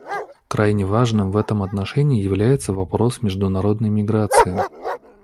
Крайне важным в этом отношении является вопрос международной миграции.